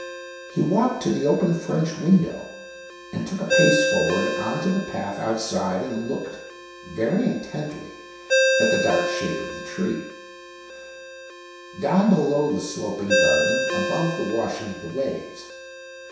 He walked to the open French window, and took a pace forward on to the path outside, and looked, very intently, at the dark shape of the tree, down below the sloping garden, above the washing of the waves.